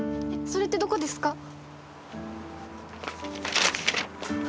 それってどこですか？